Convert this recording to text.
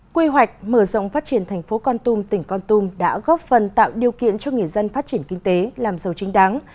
quy hoạch mở rộng phát triển thành phố con tum tỉnh con tum đã góp phần tạo điều kiện cho người dân phát triển kinh tế làm giàu chính đáng